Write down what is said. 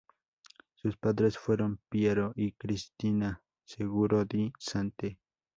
Sus padres fueron Piero y Cristina Seguro di Sante.